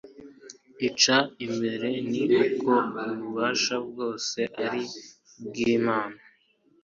icya mbere ni uko ububasha bwose ari ubw’Imana